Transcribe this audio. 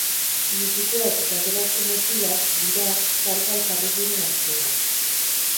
Musukoak eta telazko motxilak dira salgai jarri diren azkenak.